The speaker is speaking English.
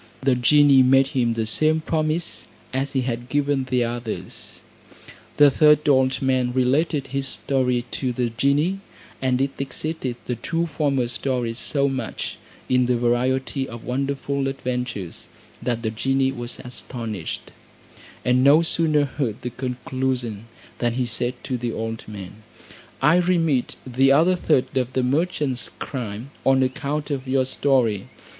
The genie made him the same promise as he had given the others. The third old man related his story to the genie; and it exceeded the two former stories so much, in the variety of wonderful adventures, that the genie was astonished; and no sooner heard the conclusion, than he said to the old man, "I remit the other third of the merchant's crime on account of your story.